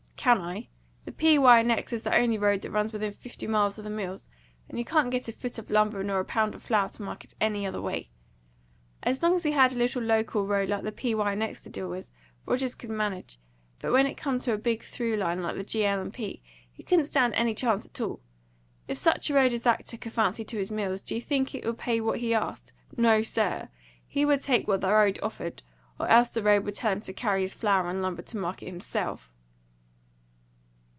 "Can I? The P. Y. & X. is the only road that runs within fifty miles of the mills, and you can't get a foot of lumber nor a pound of flour to market any other way. As long as he had a little local road like the P. Y. & X. to deal with, Rogers could manage; but when it come to a big through line like the G. L. & P., he couldn't stand any chance at all. If such a road as that took a fancy to his mills, do you think it would pay what he asked? No, sir! He would take what the road offered, or else the road would tell him to carry his flour and lumber to market himself."